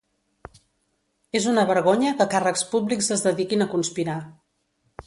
És una vergonya que càrrecs públics es dediquin a conspirar.